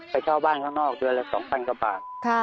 ไปเช่าบ้านตรงนอกเงินละ๒๐๐๐บาท